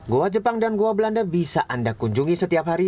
goa jepang dan goa belanda bisa anda kunjungi setiap hari